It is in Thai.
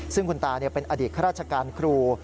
ซึ่งคุณตาเป็นอดีตข้าราชการครู